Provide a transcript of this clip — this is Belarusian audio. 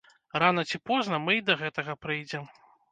Рана ці позна мы і да гэтага прыйдзем.